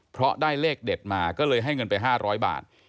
เพราะได้เลขเด็ดมาก็เลยให้เงินไป๕๐๐บาท